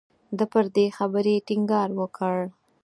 ده پر دې خبرې ټینګار وکړ.